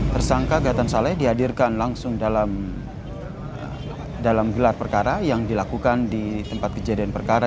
tersangka gaton saleh dihadirkan langsung dalam gelar perkara yang dilakukan di tempat kejadian perkara